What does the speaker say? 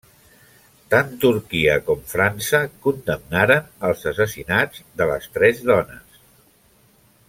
Tant Turquia com França condemnaren els assassinats de les tres dones.